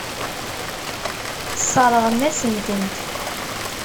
Sseṛɣen-asen-tent.